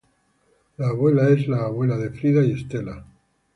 La Abuela: Es la Abuela de Frida y Estela.